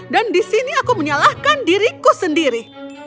dan di sini aku menyalahkan diriku sendiri